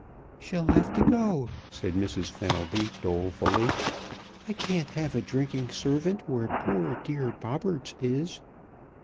"She'll have to go," said Mrs. Fenelby, dolefully. "I can't have a drinking servant where poor, dear Bobberts is.